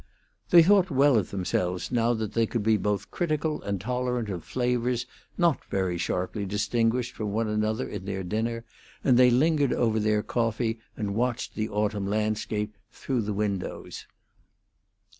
They thought well of themselves now that they could be both critical and tolerant of flavors not very sharply distinguished from one another in their dinner, and they lingered over their coffee and watched the autumn landscape through the windows.